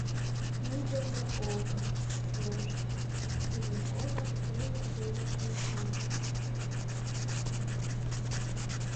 Мӱндырнӧ огыл, серыште, Иванковат эҥыр дене шинча.